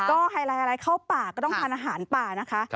ก็ใหฮลายอะไรเข้าปากก็ต้องกันอาหารป่านะคะ